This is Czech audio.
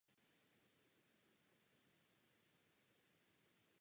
První společnou prací byla píseň "Another Day".